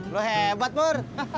lo hebat pur